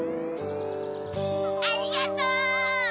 ・ありがとう！